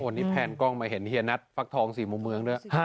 วันนี้แพนกล้องมาเห็นเฮียนัทฟักทองสี่มุมเมืองด้วย